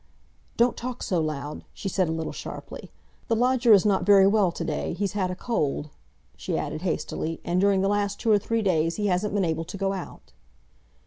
"Don't talk so loud," she said a little sharply. "The lodger is not very well to day. He's had a cold," she added hastily, "and during the last two or three days he hasn't been able to go out."